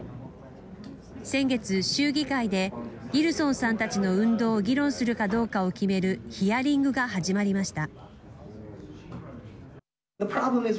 先月、州議会でギルソンさんたちの運動を議論するかどうかを決めるヒアリングが始まりました。